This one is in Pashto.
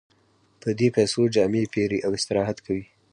په دې پیسو جامې پېري او استراحت کوي